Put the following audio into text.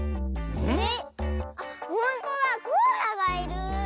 えっ⁉